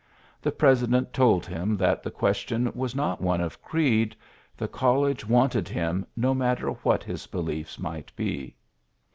The president told him that the question was not one of creed, the college wanted him, no matter what his beliefe might be.